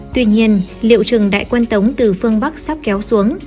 tuy nhiên liệu trừng đại quân tống từ phương bắc sắp kéo xuống